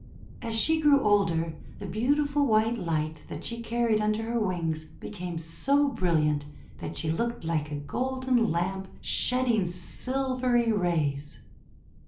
As she grew older, the beautiful white light that she carried under her wings became so brilliant that she looked like a golden lamp shedding silvery rays.